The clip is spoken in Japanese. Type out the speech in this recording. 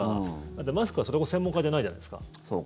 だって、マスクはそれこそ専門家じゃないじゃないですか。